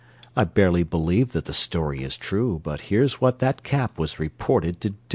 I barely believe that the story is true, But here's what that cap was reported to do.